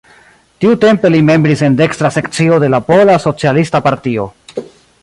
Tiutempe li membris en dekstra sekcio de la pola, socialista partio.